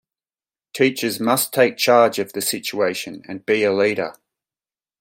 Teachers must take charge of the situation and be a leader.